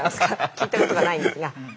聞いたことがないんですが。